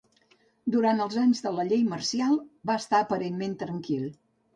Durant els anys de la llei marcial va estar aparentment tranquil.